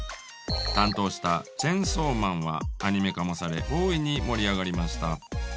担当した「チェンソーマン」はアニメ化もされ大いに盛り上がりました。